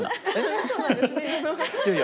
いやいや。